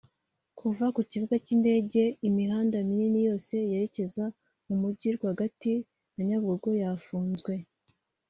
Kuva ku kibuga cy’indege imihanda minini yose yerekeza mu mujyi rwa gati na Nyabugogo yafunzwe